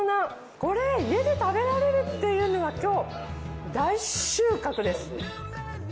これ家で食べられるっていうのが、今日、大収穫です。